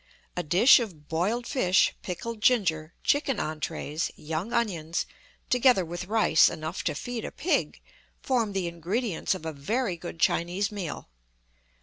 A dish of boiled fish, pickled ginger, chicken entrees, young onions, together with rice enough to feed a pig, form the ingredients of a very good Chinese meal.